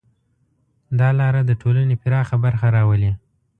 دا لاره د ټولنې پراخه برخه راولي.